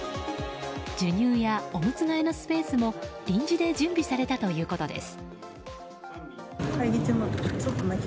授乳やおむつ替えのスペースも臨時で準備されたということです。